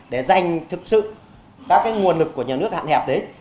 để dành thực sự các cái nguồn lực của nhà nước hạn hẹp đấy